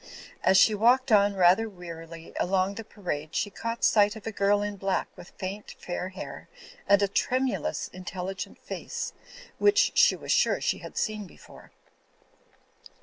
As she walked on rather wearily along the parade she caught sight of a girl in black with faint fair hair and a tremulous, intelligent face which she was sure she had seen before.